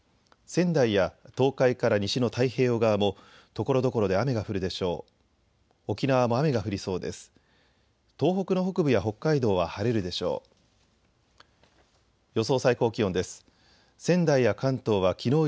仙台や東海から西の太平洋側もところどころで雨が降るでしょう。